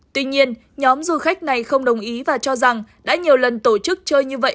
tuy nhiên nhóm du khách này không đồng ý và cho rằng đã nhiều lần tổ chức chơi như vậy